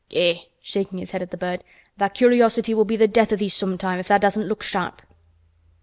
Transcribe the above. Eh!" shaking his head at the bird, "tha' curiosity will be th' death of thee sometime if tha' doesn't look sharp."